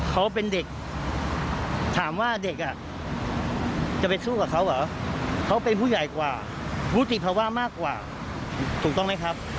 เขาเป็นเด็กถามว่าเด็กอ่ะจะไปสู้กับเขาเหรอเขาเป็นผู้ใหญ่กว่าวุฒิภาวะมากกว่าถูกต้องไหมครับ